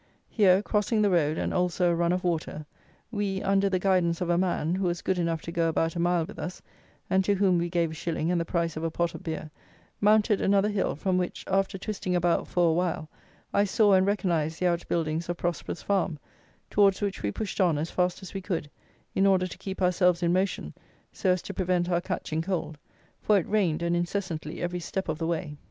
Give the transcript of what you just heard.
Here, crossing the road and also a run of water, we, under the guidance of a man, who was good enough to go about a mile with us, and to whom we gave a shilling and the price of a pot of beer, mounted another hill, from which, after twisting about for awhile, I saw, and recognised the out buildings of Prosperous farm, towards which we pushed on as fast as we could, in order to keep ourselves in motion so as to prevent our catching cold; for it rained, and incessantly, every step of the way.